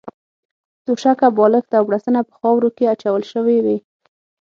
توشکه، بالښت او بړستنه په خاورو کې اچول شوې وې.